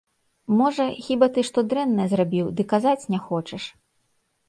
Можа, хіба ты што дрэннае зрабіў, ды казаць не хочаш?